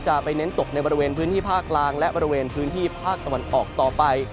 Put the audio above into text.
ไปเน้นตกในบริเวณพื้นที่ภาคกลางและบริเวณพื้นที่ภาคตะวันออกต่อไป